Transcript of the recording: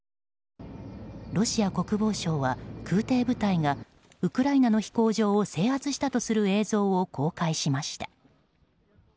ロシア国防省は空挺部隊がウクライナの飛行場を制圧したとする映像を公開しました。